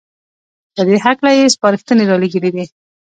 په دې هکله يې سپارښنې رالېږلې دي